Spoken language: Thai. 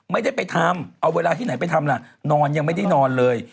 ไม่ได้ไปทำเอาเวลาที่ไหนไปทำล่ะนอนยังไม่ได้นอนเลย